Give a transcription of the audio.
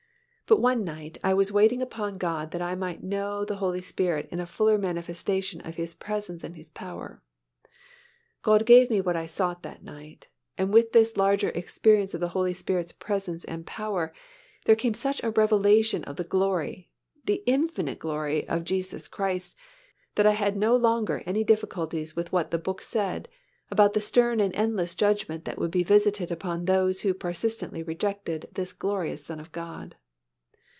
But one night I was waiting upon God that I might know the Holy Spirit in a fuller manifestation of His presence and His power. God gave me what I sought that night and with this larger experience of the Holy Spirit's presence and power, there came such a revelation of the glory, the infinite glory of Jesus Christ, that I had no longer any difficulties with what the Book said about the stern and endless judgment that would be visited upon those who persistently rejected this glorious Son of God.